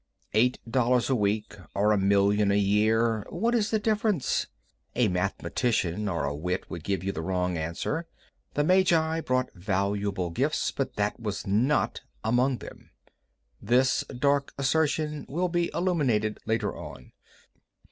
Eight dollars a week or a million a year—what is the difference? A mathematician or a wit would give you the wrong answer. The magi brought valuable gifts, but that was not among them. This dark assertion will be illuminated later on.